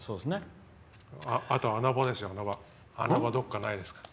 穴場、どこかないですか？